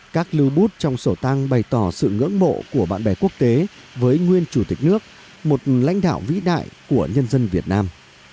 các lưu bút trong sổ tang bày tỏ sự ngưỡng mộ của bạn bè quốc tế với nguyên chủ tịch nước một lãnh đạo vĩ đại của nhân dân việt nam